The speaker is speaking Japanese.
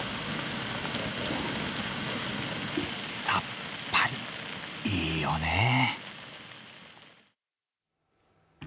さっぱり、いいよね。